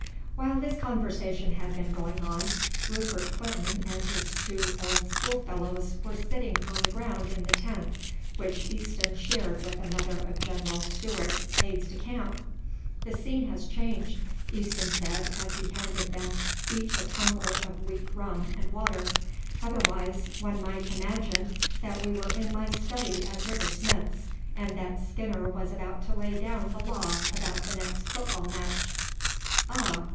While this conversation had been going on, Rupert Clinton and his two old school fellows were sitting on the ground in the tent which Easton shared with another of General Stewart's aides de camp. "The scene has changed," Easton said as he handed them each a tumbler of weak rum and water, "otherwise one might imagine that we were in my study at River Smith's, and that Skinner was about to lay down the law about the next football match." "Ah!